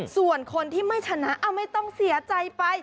ส่วนคนที่ไม่ชนะไม่ต้องเสียใจไป